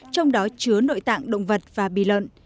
trong đó chứa nội tạng động vật và bì lợn